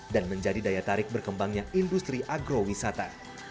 dan menjadi daya tarik berkembangnya industri agrowisata